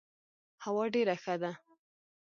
هوا ډيره ښه ده.